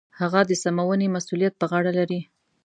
هغه د سمونې مسوولیت په غاړه لري.